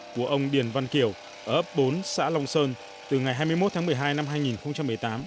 của ông điền văn kiểu ở ấp bốn xã long sơn từ ngày hai mươi một tháng một mươi hai năm hai nghìn một mươi tám